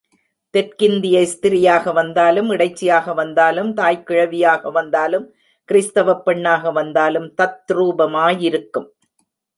தெற்கத்திய ஸ்திரீயாக வந்தாலும், இடைச்சியாக வந்தாலும் தாய்க்கிழ வியாக வந்தாலும், கிறிஸ்தவப் பெண்ணாக வந்தாலும் தத்ரூபமாயிருக்கும்.